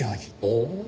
おお！